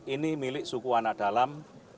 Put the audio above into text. ini milik suku anak dalam